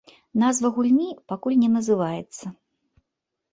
Назва гульні пакуль не называецца.